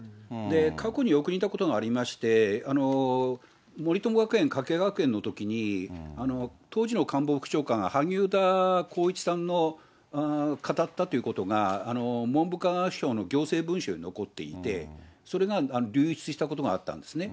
過去によく似たことがありまして、森友学園、かけ学園のときに当時の官房副長官、萩生田光一さんの語ったということが、文部科学省の行政文書に残っていて、それが流出したことがあったんですね。